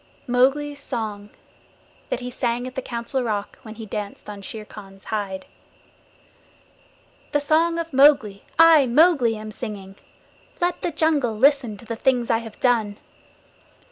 Mowgli's Song THAT HE SANG AT THE COUNCIL ROCK WHEN HE DANCED ON SHERE KHAN'S HIDE The Song of Mowgli I, Mowgli, am singing. Let the jungle listen to the things I have done.